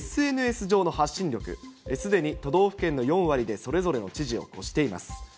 ＳＮＳ上の発信力、すでに都道府県の４割でそれぞれの知事を超しています。